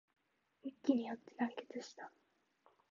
一揆によって団結した